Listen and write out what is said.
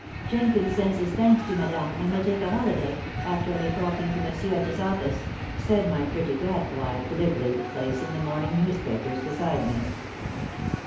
"Jenkins sends his thanks to madame, and will take a holiday, after reporting to monsieur at his office," said my pretty gadfly, glibly, placing the morning newspapers beside me.